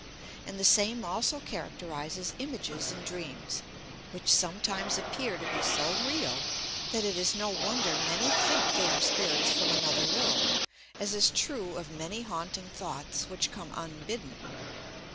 And the same also characterizes images in dreams, which sometimes appear to be so real that it is no wonder many think they are spirits from another world, as is true of many haunting thoughts which come unbidden.